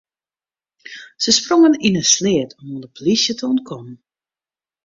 Se sprongen yn in sleat om oan de polysje te ûntkommen.